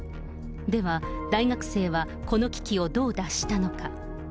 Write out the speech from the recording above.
では、大学生はこの危機をどう脱したのか。